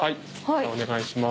お願いしまーす。